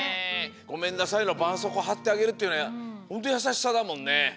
ごめんなさいのばんそうこうはってあげるっていうのはほんとうやさしさだもんね。